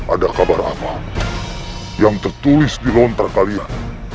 ada kabar apa yang tertulis di lontar kalian